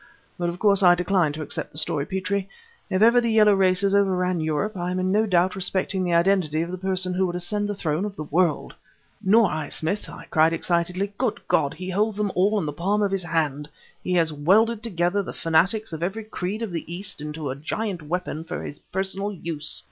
But of course I decline to accept the story, Petrie! if ever the Yellow races overran Europe, I am in no doubt respecting the identity of the person who would ascend the throne of the world!" "Nor I, Smith!" I cried excitedly. "Good God! he holds them all in the palm of his hand! He has welded together the fanatics of every creed of the East into a giant weapon for his personal use!